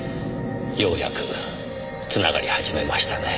ようやくつながり始めましたね。